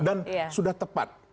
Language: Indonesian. dan sudah tepat